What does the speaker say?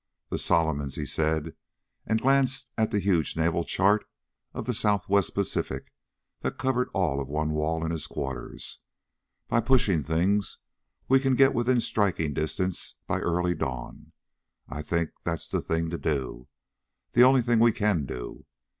"The Solomons," he said, and glanced at the huge naval chart of the Southwest Pacific that covered all of one wall in his quarters. "By pushing things we can get within striking distance by early dawn. I think that's the thing to do. The only thing we can do.